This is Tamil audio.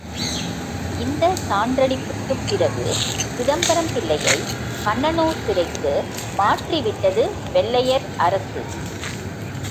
இந்த சான்றளிப்புக்குப் பிறகு சிதம்பரம் பிள்ளையைக் கண்ணனூர் சிறைக்கு மாற்றிவிட்டது வெள்ளையர் அரசு.